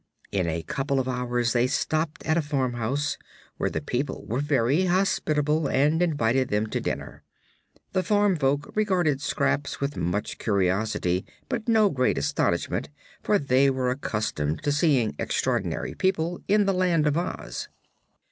In a couple of hours they stopped at a farmhouse, where the people were very hospitable and invited them to dinner. The farm folk regarded Scraps with much curiosity but no great astonishment, for they were accustomed to seeing extraordinary people in the Land of Oz.